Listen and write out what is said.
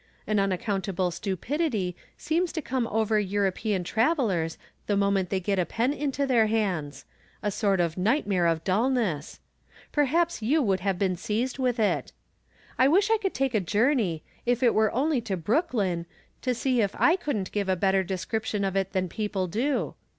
An unaccountable stupidity seems to come over European travelers the moment they get a pen into their hands — a sort of nightmare of dullness. Perhaps yoii would have been seized with it. I wish I could take a journey, if it were only to Brooklyn, just to see if I couldn't give a better description of it than people do.